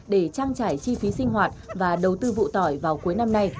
để trang trải chi phí sinh hoạt và đầu tư vụ tỏi vào cuối năm nay